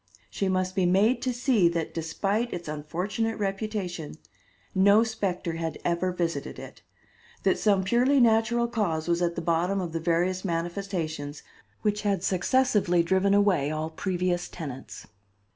She must be made to see that, despite its unfortunate reputation, no specter had ever visited it; that some purely natural cause was at the bottom of the various manifestations which had successively driven away all previous tenants.